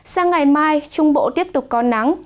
sang ngày mai trung bộ tiếp tục có nắng